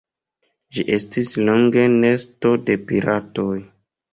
Ĝi estis longe nesto de piratoj.